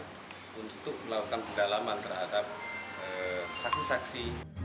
untuk melakukan pendalaman terhadap saksi saksi